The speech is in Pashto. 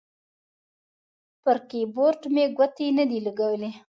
پر کیبورډ مې ګوتې نه دي لګولي